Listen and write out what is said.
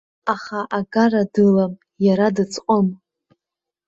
Аха агара дылам, иара дыӡҟым!